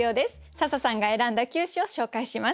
笹さんが選んだ９首を紹介します。